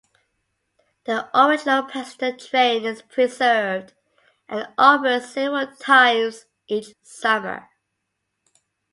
The original passenger train is preserved and operates several times each summer.